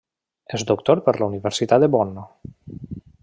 És doctor per la Universitat de Bonn.